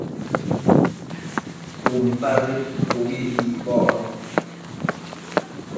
cuntabëd ubi icbocno